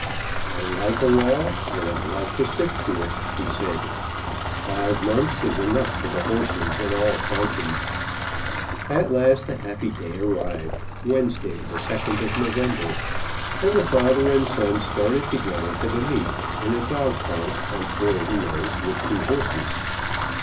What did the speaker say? "I like a law, and I like to stick to it," he said. "Five months is enough for the horses in all conscience." At last the happy day arrived, Wednesday, the 2nd of November, and the father and son started together for the meet in a dog cart on four wheels with two horses.